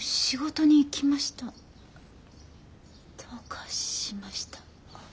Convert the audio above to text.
どうかしました？